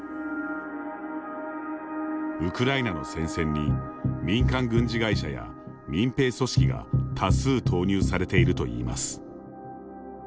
ウクライナの戦線に民間軍事会社や民兵組織が多数投入されているといいます。